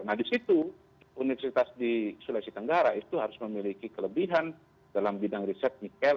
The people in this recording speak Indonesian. nah di situ universitas di sulawesi tenggara itu harus memiliki kelebihan dalam bidang riset nikel